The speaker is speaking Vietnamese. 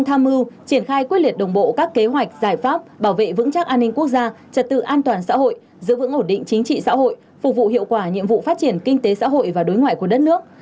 tham mưu triển khai quyết liệt đồng bộ các kế hoạch giải pháp bảo vệ vững chắc an ninh quốc gia trật tự an toàn xã hội giữ vững ổn định chính trị xã hội phục vụ hiệu quả nhiệm vụ phát triển kinh tế xã hội và đối ngoại của đất nước